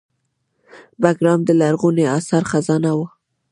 بګرام د لرغونو اثارو خزانه وه